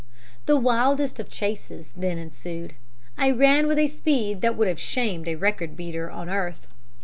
The wildest of chases then ensued. I ran with a speed that would have shamed a record beater on earth.